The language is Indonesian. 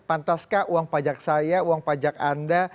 pantaskah uang pajak saya uang pajak anda